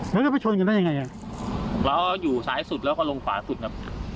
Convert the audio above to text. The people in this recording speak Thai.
แล้วจะไปชนกันได้ยังไงอ่ะเราอยู่ซ้ายสุดแล้วก็ลงฝาสุดน่ะ